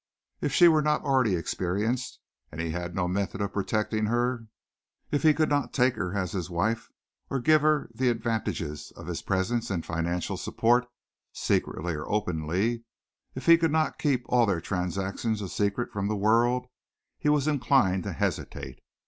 If she were not already experienced and he had no method of protecting her, if he could not take her as his wife or give her the advantages of his presence and financial support, secretly or openly, if he could not keep all their transactions a secret from the world, he was inclined to hesitate.